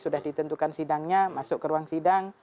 sudah ditentukan sidangnya masuk ke ruang sidang